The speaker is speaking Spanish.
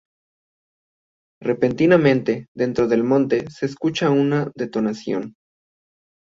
Repentinamente, dentro del monte, se escucha una detonación.